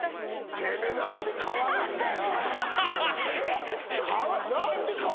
てめぇ、何で革なんだよ！